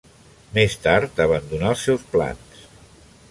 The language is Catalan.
Més tard abandonà els seus plans.